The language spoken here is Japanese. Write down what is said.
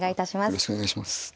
よろしくお願いします。